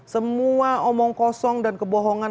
semua omong kosong dan kebohongan